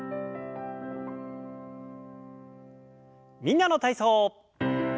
「みんなの体操」。